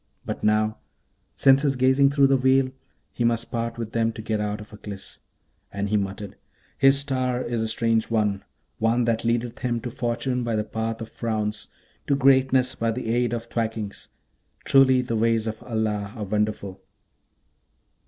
but now, since his gazing through that veil, he must part with them to get out of Aklis.' And he muttered, 'His star is a strange one! one that leadeth him to fortune by the path of frowns! to greatness by the aid of thwackings! Truly the ways of Allah are wonderful!'